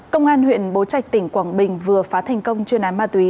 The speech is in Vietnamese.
công an huyện bố trạch tỉnh quảng bình vừa phá thành công chuyên án ma túy